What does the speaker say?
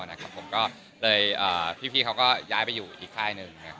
อ่ะนะครับก็เลยพี่เขาก็ย้ายไปอยู่อีกค่ายนึง